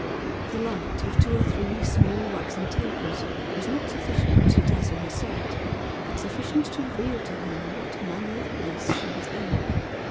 The light of two or three small waxen tapers was not sufficient to dazzle her sight; but sufficient to reveal to her what manner of place she was in.